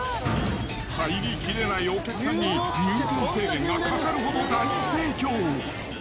入りきれないお客さんに、入店制限がかかるほど、大盛況。